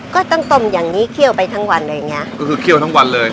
ก็ต้องต้มอย่างนี้เคี่ยวไปทั้งวันอะไรอย่างเงี้ยก็คือเคี่ยวทั้งวันเลย